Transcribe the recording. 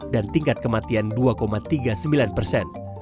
dan tingkat kematian dua tiga puluh sembilan persen